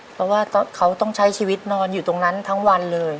เพราะว่าเขาต้องใช้ชีวิตนอนอยู่ตรงนั้นทั้งวันเลย